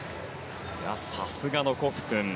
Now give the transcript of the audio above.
さすがのコフトゥン。